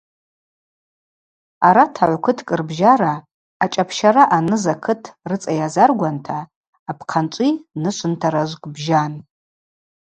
Арат агӏвкыткӏ рбжьара, ачӏапщара ъаныз акыт рыцӏа йазаргванта, апхъачӏви нышвынтаражвкӏ бжьан.